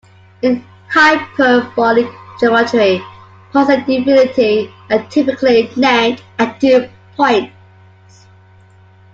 In hyperbolic geometry, points at infinity are typically named ideal points.